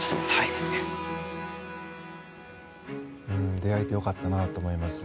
出会えて良かったなと思います。